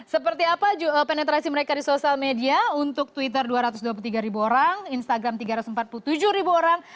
seperti apa penetrasi mereka di sosial media untuk twitter dua ratus dua puluh tiga ribu orang instagram tiga ratus empat puluh tujuh ribu orang